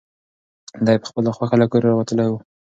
دی په خپله خوښه له کوره راوتلی و.